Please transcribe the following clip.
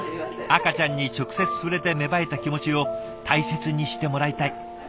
赤ちゃんに直接触れて芽生えた気持ちを大切にしてもらいたい。